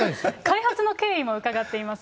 開発の経緯もうかがっています。